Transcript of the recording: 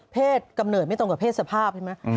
กำเนิดไม่ตรงกับเพศสภาพใช่ไหม